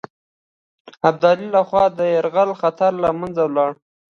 ابدالي له خوا د یرغل خطر له منځه ولاړ.